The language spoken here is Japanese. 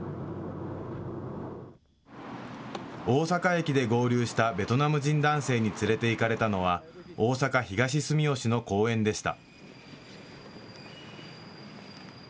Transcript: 大阪駅で合流したベトナム人男性に連れて行かれたのは大阪・東住吉の公園でした。